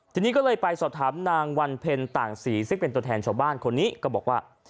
ทีนี้ก็เลยไปสอบถามนางวันเพ็ญต่างศรีซึ่งเป็นตัวแทนชาวบ้านคนนี้ก็บอกว่า